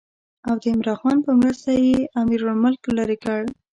او د عمرا خان په مرسته یې امیرالملک لرې کړ.